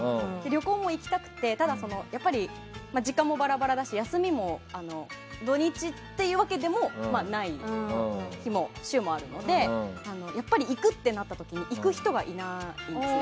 旅行も行きたいんですけど時間もバラバラだし、休みも土日っていうわけでもない週もあるのでやっぱり、行くとなった時に行く人がいないんです。